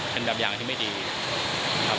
เป็นแบบอย่างที่ไม่ดีครับ